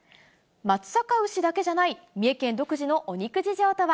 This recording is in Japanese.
松阪牛だけじゃない、三重県独自のお肉事情とは。